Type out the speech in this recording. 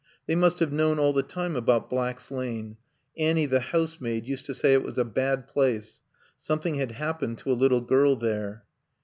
They must have known all the time about Black's Lane; Annie, the housemaid, used to say it was a bad place; something had happened to a little girl there.